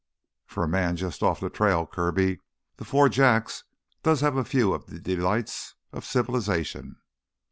"For a man just off the trail, Kirby, the Four Jacks does have a few of the delights of civilization.